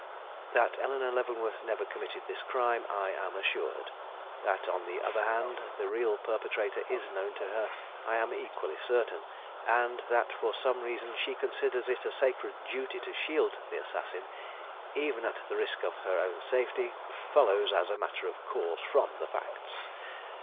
That Eleanore Leavenworth never committed this crime, I am assured. That, on the other hand, the real perpetrator is known to her, I am equally certain; and that for some reason she considers it a sacred duty to shield the assassin, even at the risk of her own safety, follows as a matter of course from the facts.